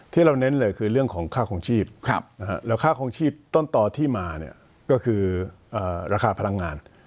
ที่เราเน้นเลยคือเรื่องของค่าคงชีพแล้วค่าคงชีพต้นต่อที่มาก็คือราคาพลังงาน